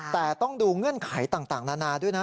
แต่ต้องดูเงื่อนไขต่างนานาด้วยนะ